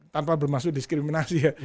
tanpa bermaksud diskriminasi ya